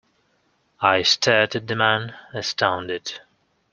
I stared at the man, astounded.